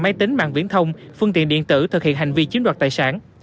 máy tính mạng viễn thông phương tiện điện tử thực hiện hành vi chiếm đoạt tài sản